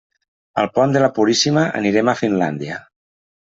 Pel pont de la Puríssima anirem a Finlàndia.